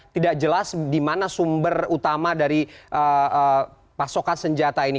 tidak jelas di mana sumber utama dari pasokan senjata ini